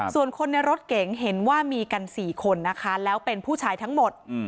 ส่วนคนในรถเก๋งเห็นว่ามีกัน๔คนนะคะแล้วเป็นผู้ชายทั้งหมด